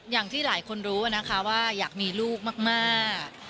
อย่างที่หลายคนรู้นะคะว่าอยากมีลูกมาก